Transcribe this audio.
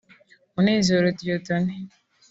Munezero Dieudonné